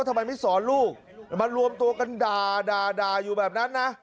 ทำไมไม่สอนลูกมารวมตัวกันด่าอยู่แบบนั้นนะ